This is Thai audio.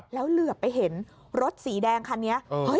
แล้วเหลือไปเห็นรถสีแดงคันนี้